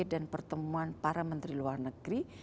dan pertemuan para menteri luar negeri